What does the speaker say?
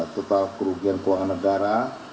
total kerugian keuangan negara